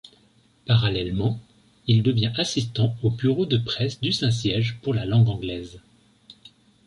Parallèlement, il devient assistant au Bureau de Presse du Saint-Siège pour la langue anglaise.